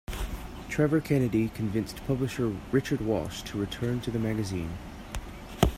Trevor Kennedy convinced publisher Richard Walsh to return to the magazine.